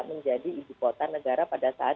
menjadi ibu kota negara pada saat